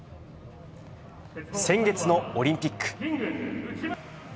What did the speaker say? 先月のオリンピック。